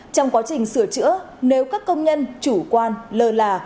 trong quá trình sửa chữa nếu các công nhân chủ quan lơ là